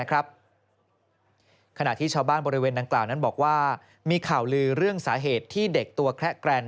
ขณะที่ชาวบ้านบริเวณดังกล่าวนั้นบอกว่ามีข่าวลือเรื่องสาเหตุที่เด็กตัวแคละแกรน